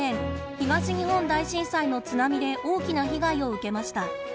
東日本大震災の津波で大きな被害を受けました。